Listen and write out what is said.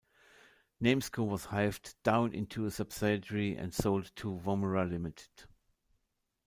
Namesco was hived down into a subsidiary and sold to Womerah Limited.